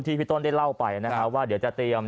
พี่ต้นได้เล่าไปนะครับว่าเดี๋ยวจะเตรียม